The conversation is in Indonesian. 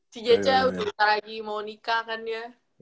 si dc udah ntar lagi mau nikah kan ya